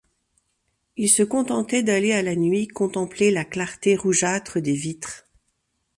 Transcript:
Il se contentait d’aller à la nuit contempler la clarté rougeâtre des vitres.